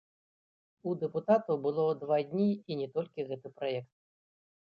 У дэпутатаў было два дні і не толькі гэты праект.